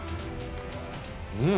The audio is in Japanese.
うん。